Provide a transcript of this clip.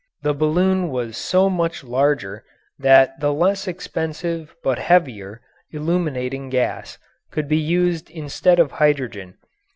The balloon was so much larger that the less expensive but heavier illuminating gas could be used instead of hydrogen.